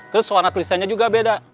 terus warna tulisannya juga beda